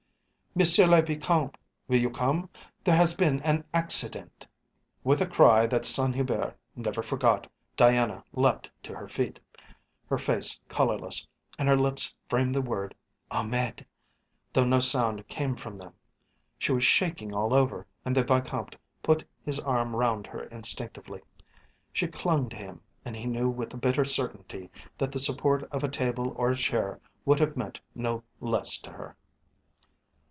"Monsieur le Vicomte! Will you come? There has been an accident." With a cry that Saint Hubert never forgot Diana leaped to her feet, her face colourless, and her lips framed the word "Ahmed," though no sound came from them. She was shaking all over, and the Vicomte put his arm round her instinctively. She clung to him, and he knew with a bitter certainty that the support of a table or a chair would have meant no less to her.